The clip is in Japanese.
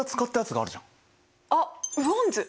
あっ雨温図。